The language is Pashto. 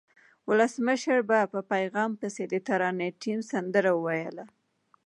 ولسمشر په پیغام پسې د ترانې ټیم سندره وویله.